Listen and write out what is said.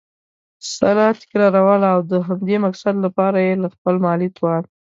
سره تكراروله؛ او د همدې مقصد له پاره یي له خپل مالي توان